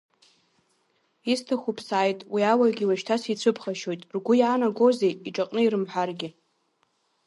Исҭаху ԥсааит, уи ауаҩгьы уажәшьҭа сицәыԥхашьоит, ргәы иаанагозеи, иҿаҟны ирымҳәаргьы…